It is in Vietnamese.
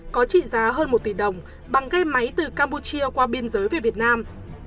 có trị giá hơn một tỷ đồng bằng ghe máy từ campuchia qua biên giới về việt nam